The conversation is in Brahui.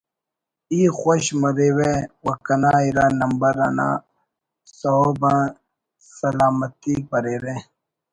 ای خوش مریوہ و کنا اِرا نمبر آ نا سہُب سلامتیک بریرہ